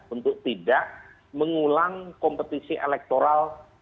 untuk tidak mengulang kompetisi elektoral